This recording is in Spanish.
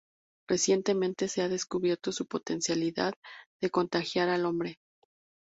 Recientemente se ha descubierto su potencialidad de contagiar al hombre.